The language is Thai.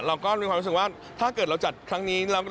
เราก็มีความรู้สึกว่าถ้าเกิดเราจัดครั้งนี้